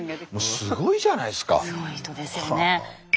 すごい人ですよね。